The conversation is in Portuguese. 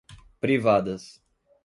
privadas